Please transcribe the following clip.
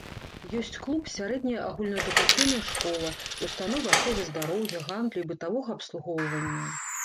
Ёсць клуб, сярэдняя агульнаадукацыйная школа, установы аховы здароўя, гандлю і бытавога абслугоўвання.